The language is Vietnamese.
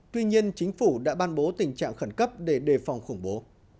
tuy nhiên chính phủ đã ban bố tình trạng khẩn cấp để đề phòng khủng bố